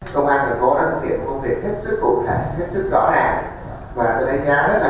công an ở phố đã thực hiện không thể hết sức hỗ trợ